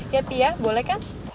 ya pi ya boleh kan